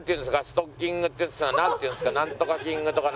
ストッキングって。なんて言うんですか？